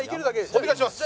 お願いします。